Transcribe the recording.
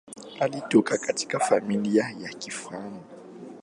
Alitoka katika familia ya kifalme.